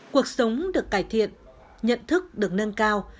cuộc sống được cải thiện nhận thức được nâng cao